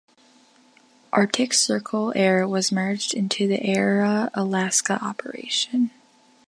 Arctic Circle Air was merged into the Era Alaska operation.